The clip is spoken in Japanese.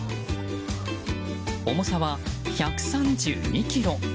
重さは１３２ｋｇ。